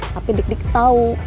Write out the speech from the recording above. tapi dik dik tau